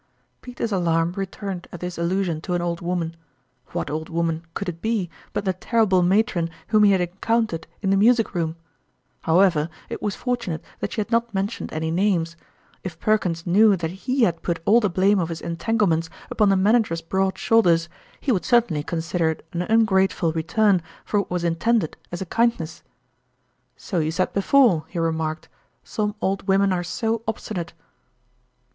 . Peter's alarm returned at this allusion to an old woman ; what old woman could it be but the terrible matron whom he had encountered in the music room ? However, it was fortunate that she had not mentioned any names ; if Per kins knew that he had put all the blame of his entanglements upon the manager's broad shoul ders, he would certainly consider it an ungrate ful return for what was intended as a kindness. " So you said before," he remarked ;" some old women are so obstinate